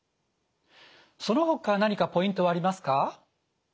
そのほか何かポイントはありますか？